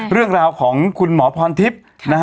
เรื่องราวของคุณหมอพรทิพย์นะฮะ